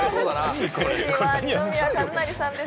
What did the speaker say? ＭＣは二宮和也さんです。